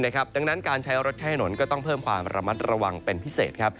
ดังนั้นการใช้รถใช้ถนนก็ต้องเพิ่มความระมัดระวังเป็นพิเศษ